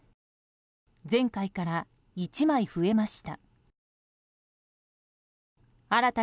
前回から１枚増えました。